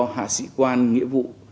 hạ sĩ quan nghĩa vụ